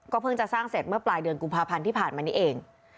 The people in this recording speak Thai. เพิ่งจะสร้างเสร็จเมื่อปลายเดือนกุมภาพันธ์ที่ผ่านมานี้เอง